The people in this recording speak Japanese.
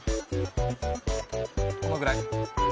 このぐらい。